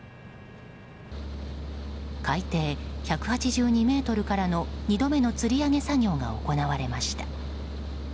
海底１８２ｍからの２度目のつり上げ作業が行われました。